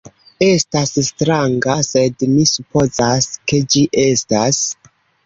Estas stranga, sed mi supozas ke ĝi estas...